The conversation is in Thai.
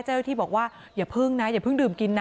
เจ้าหน้าที่บอกว่าอย่าเพิ่งนะอย่าเพิ่งดื่มกินนะ